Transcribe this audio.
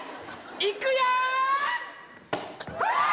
いくよ！